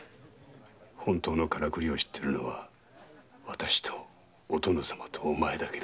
本当のカラクリを知っているのは私とお殿様とお前だけだ。